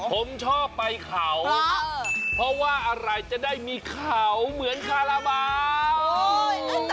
ผมชอบไปเขาเพราะว่าอะไรจะได้มีเขาเหมือนคาราบาล